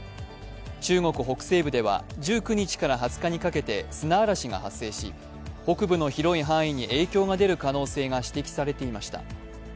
中国北西部では１９日から２０日にかけて砂嵐が発生し北部の広い範囲に影響が出る可能性が指摘されていました。